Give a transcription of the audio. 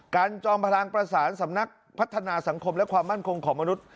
จอมพลังประสานสำนักพัฒนาสังคมและความมั่นคงของมนุษย